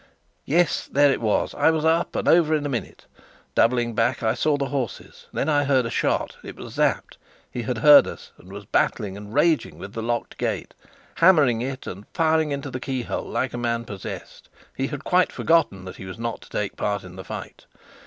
Yes, there it was. I was up and over in a minute. Doubling back, I saw the horses; then I heard a shot. It was Sapt. He had heard us, and was battling and raging with the locked gate, hammering it and firing into the keyhole like a man possessed. He had quite forgotten that he was not to take part in the fight.